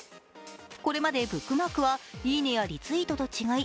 これまでブックマークは、いいねやリツイートと違い